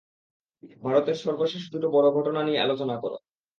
ভারতের সর্বশেষ দুটো বড় ঘটনা নিয়ে আলোচনা করো।